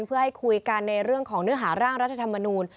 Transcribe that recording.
เพื่อให้คุยกันในเรื่องของเนื้อหาร่างรัฐธรรมนูล